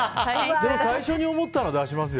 でも、最初に思ったの出しますよ。